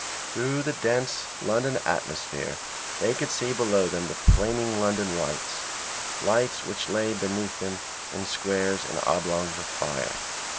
Through the dense London atmosphere they could see below them the flaming London lights; lights which lay beneath them in squares and oblongs of fire.